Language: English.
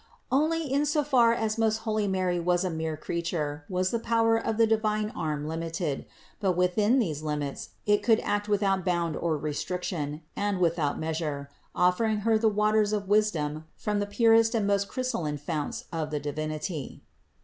Only in so far as most holy Mary was a mere creature was the power of the divine arm limited; but within these limits it could act without bound or restriction, and without measure, offer ing Her the waters of wisdom from the purest and most crystalline founts of the Divinity.